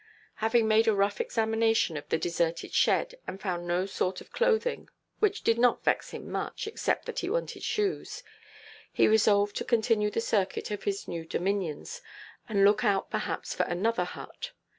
Having made a rough examination of the deserted shed, and found no sort of clothing—which did not vex him much, except that he wanted shoes—he resolved to continue the circuit of his new dominions, and look out perhaps for another hut.